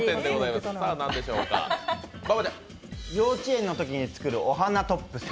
幼稚園の時に作るお花トップス。